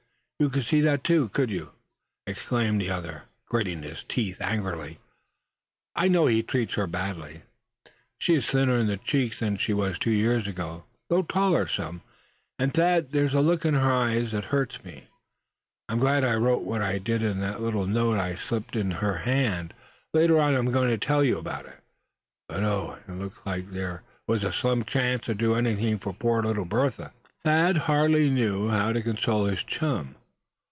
"You could see that too, could you, suh?" exclaimed the other, gritting his teeth angrily. "I know he treats her badly. She is thinner in the cheeks than she was two years ago, though taller some. And Thad, there's a look in her eyes that hurts me. I'm glad I wrote what I did in that little note I slipped in her hand. Later on I'm going to tell you about it. But oh! it looks like there was a slim chance to do anything for poor little Bertha." Thad hardly knew how to console his chum.